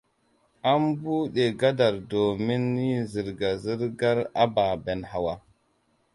An bude gadar domini zirga-zirgar ababen hawa.